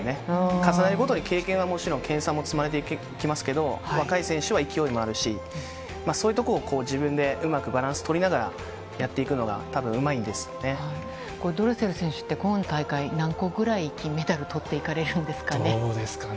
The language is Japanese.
重ねるごとに経験はもちろん、研鑽も積まれていきますけれども、若い選手は勢いもあるし、そういうところを自分でうまくバランスとりながら、やっていくのが、ドレセル選手って、今大会、何個くらい金メダルとっていかれるんですかね。